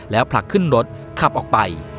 แล้วผลักขึ้นรถขับออกไป